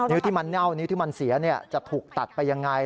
ที่มันเน่านิ้วที่มันเสียจะถูกตัดไปยังไง